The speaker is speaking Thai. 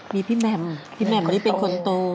มีพี่แหม่มพี่แหม่มนี่เป็นคนโต